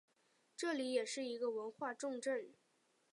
这里也是一个文化重镇。